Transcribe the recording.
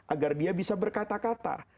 agar dia bisa berkata kata